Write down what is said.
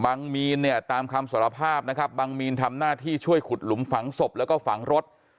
มีนเนี่ยตามคำสารภาพนะครับบังมีนทำหน้าที่ช่วยขุดหลุมฝังศพแล้วก็ฝังรถ